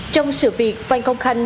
trong sự việc phan công khanh